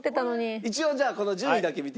一応じゃあこの順位だけ見ていきますね。